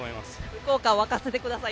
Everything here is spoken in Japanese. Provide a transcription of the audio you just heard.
福岡を沸かせてください。